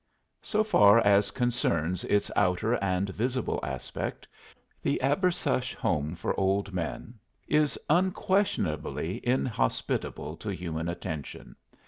So far as concerns its outer and visible aspect, the Abersush Home for Old Men is unquestionably inhospitable to human attention.